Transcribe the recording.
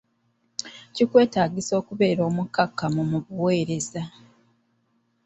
Kikwetaagisa okubeera omukkakkamu mu buweereza.